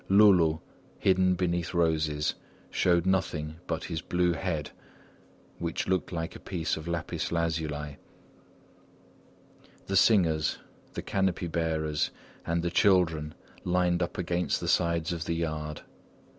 Loulou, hidden beneath roses, showed nothing but his blue head which looked like a piece of lapis lazuli. The singers, the canopy bearers and the children lined up against the sides of the yard.